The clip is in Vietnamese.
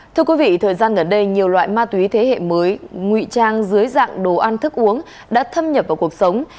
thưa quý vị thời gian gần đây nhiều loại ma túy thế hệ mới nguy trang dưới dạng đồ ăn thức uống đã thâm nhập vào cuộc sống